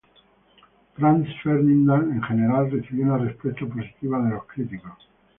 Franz Ferdinand en general recibió una respuesta positiva de los críticos.